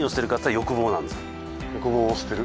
欲望を捨てる？